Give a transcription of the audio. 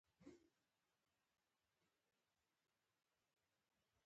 زه اجازه نه درکم چې اوس يې وځورې.